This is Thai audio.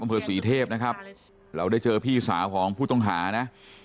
อำเภอศรีเทพนะครับเราได้เจอพี่สาวของผู้ต้องหานะ